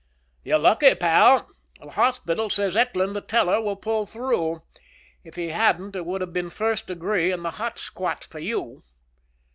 "You're lucky, pal. The hospital says Eckland the teller will pull through. If he hadn't, it would have been first degree and the hot squat for you."